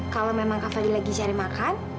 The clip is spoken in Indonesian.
kalau memang kak fadil lagi cari makan